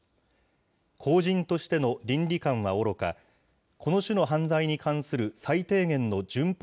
公人としての倫理観はおろか、この種の犯罪に関する最低限の順法